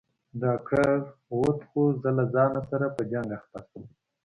ډاکتر ووت خو زه له ځان سره په جنگ اخته سوم.